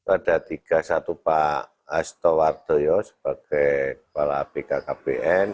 ada tiga satu pak hasto wardoyo sebagai kepala bkkbn